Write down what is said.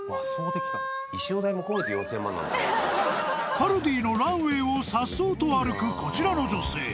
［カルディのランウェイをさっそうと歩くこちらの女性］